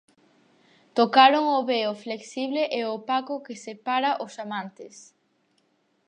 Tocaron o veo flexible e opaco que separa ós amantes.